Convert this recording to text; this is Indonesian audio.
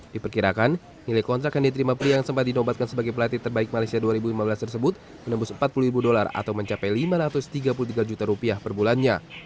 diperkirakan nilai kontrak yang diterima pria yang sempat dinobatkan sebagai pelatih terbaik malaysia dua ribu lima belas tersebut menembus empat puluh ribu dolar atau mencapai lima ratus tiga puluh tiga juta rupiah per bulannya